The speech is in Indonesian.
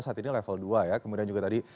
saat ini level dua ya kemudian juga tadi